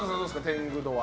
天狗度は？